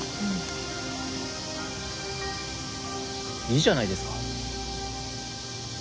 いいじゃないですか。